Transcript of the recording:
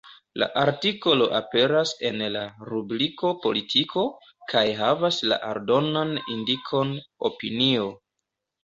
La artikolo aperas en la rubriko “Politiko” kaj havas la aldonan indikon “Opinio”.